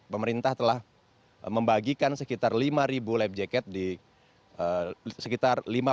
pemerintah telah membagikan sekitar lima life jacket di sekitar